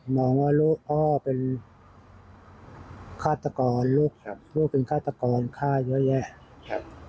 มองว่าลูกพ่อเป็นฆาตกรลูกครับลูกเป็นฆาตกรฆ่าเยอะแยะครับ